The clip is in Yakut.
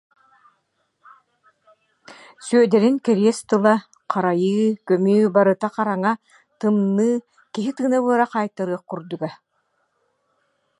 Сүөдэрин кэриэс тыла, харайыы, көмүү барыта хараҥа, тымныы, киһи тыына-быара хаайтарыах курдуга